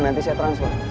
nanti saya transfer